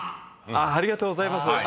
ありがとうございます。